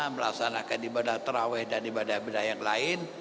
melaksanakan ibadah terawih dan ibadah ibadah yang lain